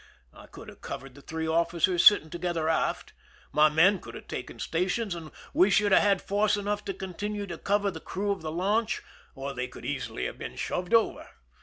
I could have covered the three officers sitting together aft; my men could have taken stations, and we should have had force enough to continue to cover the crew of the launch, or they could easily have been shoved over.